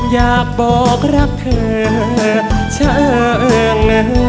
อยากบอกรักเธอช่างนะ